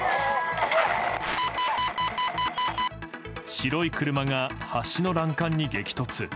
白い車が橋の欄干に激突。